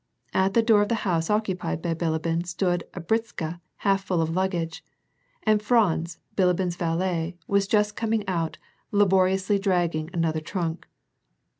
At the door of the house occupied by Bilibin stood a britzska half full of luggage, and Franz, Bilibin's valet, was just coming out, laboriously dragging another trunk.